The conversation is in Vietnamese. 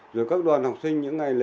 rồi các đoàn học sinh những ngày lễ